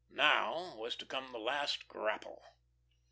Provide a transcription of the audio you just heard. Now, was to come the last grapple.